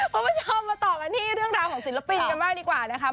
เพราะว่าผู้ชมมาตอบกันที่เรื่องราวของศิลปินกันมากดีกว่านะคะ